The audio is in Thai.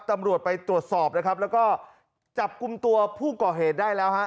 ตำรวจไปตรวจสอบนะครับแล้วก็จับกลุ่มตัวผู้ก่อเหตุได้แล้วฮะ